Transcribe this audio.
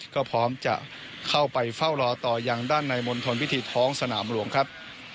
ก็พร้อมจะเข้าไปเฝ้ารอต่อยังด้านในมณฑลพิธีท้องสนามหลวงครับ